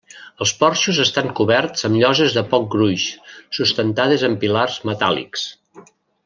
Els porxos estan coberts amb lloses de poc gruix sustentades amb pilars metàl·lics.